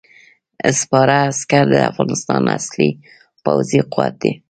سپاره عسکر د افغانستان اصلي پوځي قوت دی.